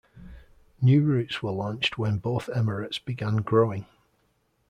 New routes were launched when both Emirates began growing.